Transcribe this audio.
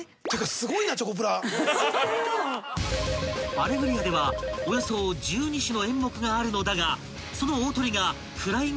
［『アレグリア』ではおよそ１２種の演目があるのだがその大トリがフライング・トラピス］